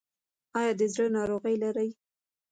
ایا د زړه ناروغي لرئ؟